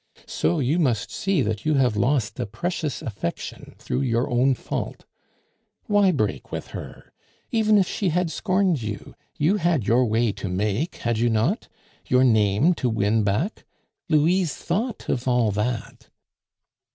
So, you must see that you have lost a precious affection through your own fault. Why break with her? Even if she had scorned you, you had your way to make, had you not? your name to win back? Louise thought of all that."